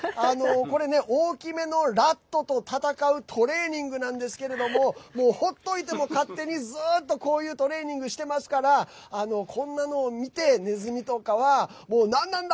これね、大きめのラットと戦うトレーニングなんですけれども放っといても勝手にずっとこういうトレーニングしてますからこんなのを見てネズミとかはなんなんだ！